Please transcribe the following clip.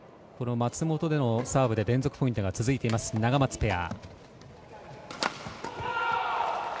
松本のサーブで連続ポイントが続いています永松ペア。